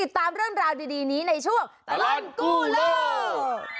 การร้อนกู้โลก